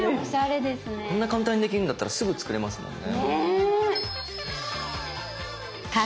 こんな簡単にできるんだったらすぐ作れますもんね。